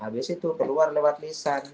habis itu keluar lewat lisan